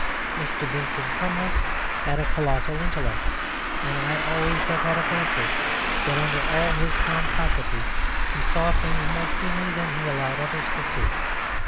Mr. Vincent Crummles had a colossal intellect; and I always have a fancy that under all his pomposity he saw things more keenly than he allowed others to see.